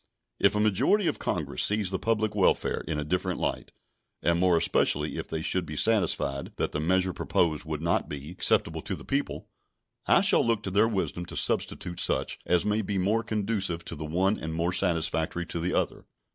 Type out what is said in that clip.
If a majority of Congress see the public welfare in a different light, and more especially if they should be satisfied that the measure proposed would not be acceptable to the people, I shall look to their wisdom to substitute such as may be more conducive to the one and more satisfactory to the other.